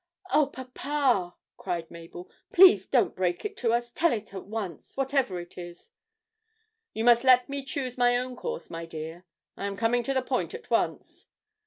'Oh, papa,' cried Mabel, 'please don't break it to us tell it at once, whatever it is!' 'You must let me choose my own course, my dear; I am coming to the point at once.